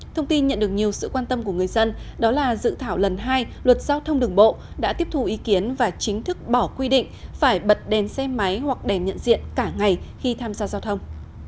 thông tin nhận được nhiều sự quan tâm của người dân đó là dự thảo lần hai luật giao thông đường bộ đã tiếp thu ý kiến và chính thức bỏ quy định phải bật đèn xe máy hoặc đèn nhận diện cả ngày khi tham gia giao thông